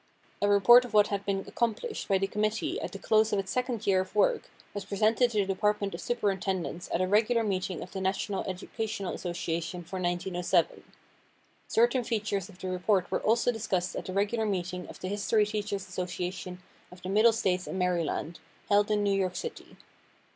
A report of what had been accomplished by the committee at the close of its second year of work, was presented to the Department of Superintendents at a regular meeting of the National Educational Association for 1907. Certain features of the report were also discussed at a regular meeting of the History Teachers' Association of the Middle States and Maryland, held in New York City.